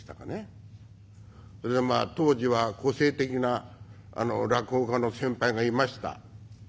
それでまあ当時は個性的な落語家の先輩がいました。